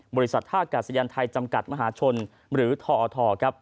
บริษัทภาคกาศยันทร์ไทยจำกัดมหาชนหรือทออทอ